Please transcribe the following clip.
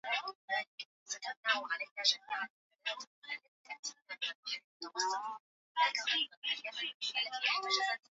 Oshogbo Ilorin Abeokuta Ogbomosho na Port Harcourt Tangu mnamo